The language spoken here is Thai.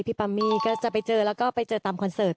ปามี่ก็จะไปเจอแล้วก็ไปเจอตามคอนเสิร์ต